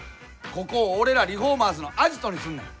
ここを俺らリフォーマーズのアジトにすんねん。